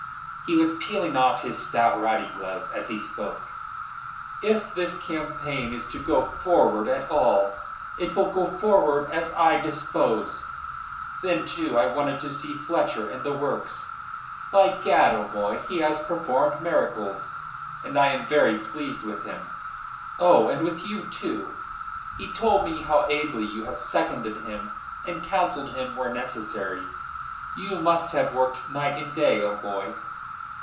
He was peeling off his stout riding gloves as he spoke. "If this campaign is to go forward at all, it will go forward as I dispose. Then, too, I wanted to see Fletcher and the works. By gad, O'Moy, he has performed miracles, and I am very pleased with him oh, and with you too. He told me how ably you have seconded him and counselled him where necessary. You must have worked night and day, O'Moy."